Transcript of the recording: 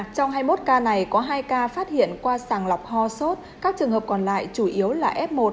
trong hai mươi một ca này có hai ca phát hiện qua sàng lọc ho sốt các trường hợp còn lại chủ yếu là f một